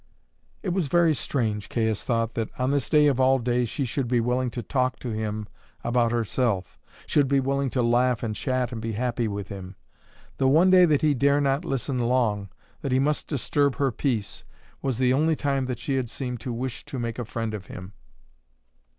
It was very strange, Caius thought, that on this day of all days she should be willing to talk to him about herself, should be willing to laugh and chat and be happy with him. The one day that he dare not listen long, that he must disturb her peace, was the only time that she had seemed to wish to make a friend of him.